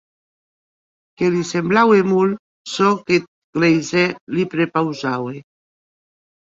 Que li semblaue molt, çò qu’eth gleisèr li prepausaue.